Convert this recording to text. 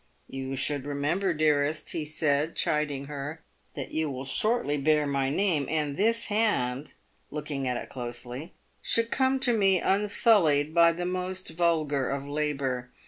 " You should remember, dearest," he said, chiding her, " that you will shortly bear my name, and this hand" (looking at it closely) " should come to me unsullied by the most vulgar of labour.